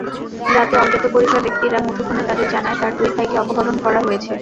রাতে অজ্ঞাতপরিচয় ব্যক্তিরা মুঠোফোনে তাদের জানায়, তাঁর দুই ভাইকে অপহরণ করা হয়েছে।